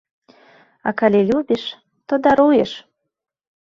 А калі любіш, то даруеш.